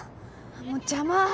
もう邪魔！